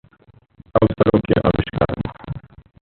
अवसरों के आविष्कारक